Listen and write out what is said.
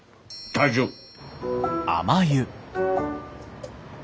大丈夫。